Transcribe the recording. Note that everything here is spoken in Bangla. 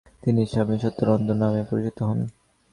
তিনি স্বামী সত্যানন্দ নামে পরিচিত হন ।